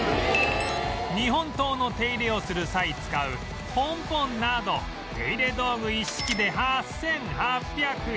日本刀の手入れをする際使うポンポンなど手入れ道具一式で８８００円